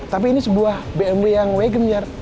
tapi ini sebuah bmw yang wagon jar